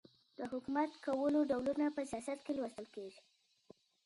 د حکومت کولو ډولونه په سیاست کي لوستل کیږي.